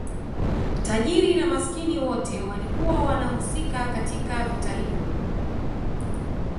tajiri na masikini wote walikuwa wanahusika katika vita hiyo